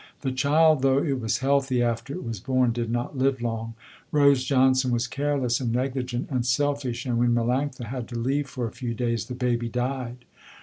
The child though it was healthy after it was born, did not live long. Rose Johnson was careless and negligent and selfish, and when Melanctha had to leave for a few days, the baby died.